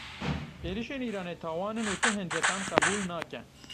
Êrişên Îranê tawan in û ti hincetan qebûl nake.